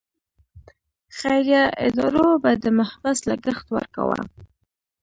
خیریه ادارو به د محبس لګښت ورکاوه.